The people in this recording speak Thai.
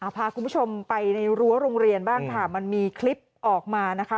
พาคุณผู้ชมไปในรั้วโรงเรียนบ้างค่ะมันมีคลิปออกมานะคะ